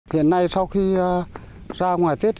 hiện nay sau khi ra ngoài tiết